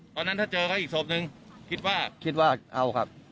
ตอนนั้นถ้าเจอเขาอีกศพนึงคิดว่าคิดว่าเอาครับ